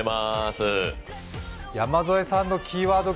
山添さんのキーワード